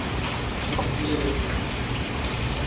তাকে খুঁজে বের কর।